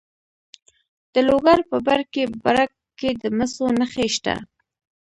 د لوګر په برکي برک کې د مسو نښې شته.